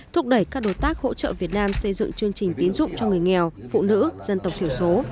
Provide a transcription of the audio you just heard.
thúc đẩy các đối tác hỗ trợ việt nam xây dựng chương trình tín dụng cho người nghèo phụ nữ dân tộc thiểu số